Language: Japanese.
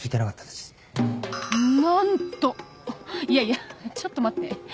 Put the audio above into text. いやいやちょっと待って